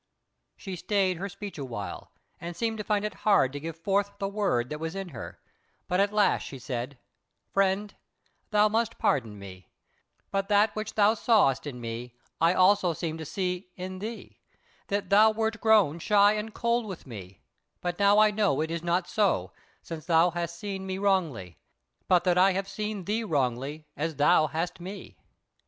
She stayed her speech awhile, and seemed to find it hard to give forth the word that was in her; but at last she said: "Friend, thou must pardon me; but that which thou sawest in me, I also seemed to see in thee, that thou wert grown shy and cold with me; but now I know it is not so, since thou hast seen me wrongly; but that I have seen thee wrongly, as thou hast me."